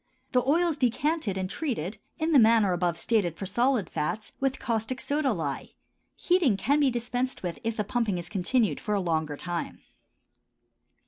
The oil is decanted and treated, in the manner above stated for solid fats, with caustic soda lye. Heating can be dispensed with if the pumping is continued for a longer time.